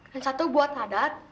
yang satu buat nadat